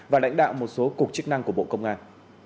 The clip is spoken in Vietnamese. và lãnh đạo một số cục chức năng của bộ công an